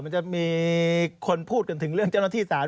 มันจะมีคนพูดกันถึงเรื่องเจ้าหน้าที่สาร